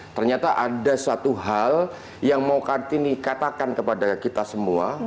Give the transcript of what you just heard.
ternyata ada satu hal yang mau kartini katakan kepada kita semua